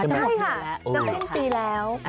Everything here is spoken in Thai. ใช่ค่ะจะสิ้นปีแล้ว